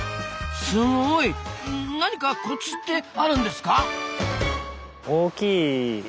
すごい！何かコツってあるんですか？